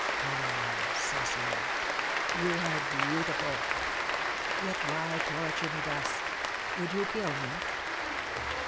Ah, Cecily, you are beautiful! Yet why torture me thus? Would you kill me?